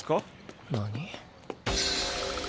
何？